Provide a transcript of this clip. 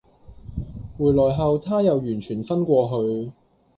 回來後她又完全昏過去